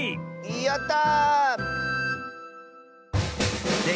やった！